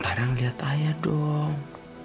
lara ngeliat ayah dong